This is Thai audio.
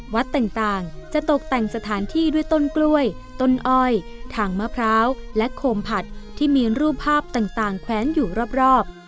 วัดต่างจะตกแต่งสถานที่ด้วยต้นกล้วยต้นอ้อยทางมะพร้าวและโคมผัดที่มีรูปภาพต่างแขวนอยู่รอบ